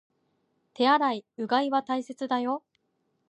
手洗い、うがいは大切だよ